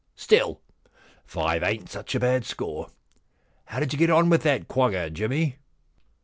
Still, five ain't such a bad score. How did you get on with that quagga, Jimmy